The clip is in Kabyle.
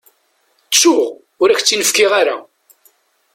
Ttuɣ, ur ak-tt-in-fkiɣ ara.